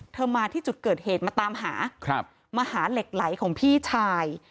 มาที่จุดเกิดเหตุมาตามหามาหาเหล็กไหลของพี่ชาย